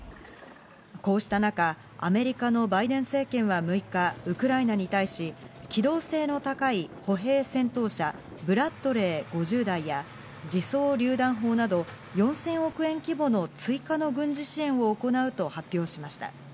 こうした中、アメリカのバイデン政権は６日、ウクライナに対し機動性の高い歩兵戦闘車ブラッドレー５０台や、自走榴弾砲など４０００億円規模の追加の軍事支援を行うと発表しました。